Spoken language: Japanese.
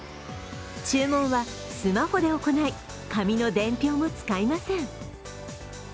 注文はスマホで行い、紙の伝票も使いません。